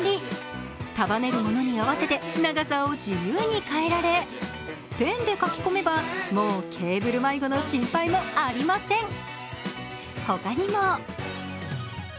束ねるものに合わせて長さを自由に変えられ、ペンで書き込めば、もうケーブル迷子の心配はありません。